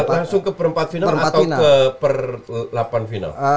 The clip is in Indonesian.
atau ke per delapan final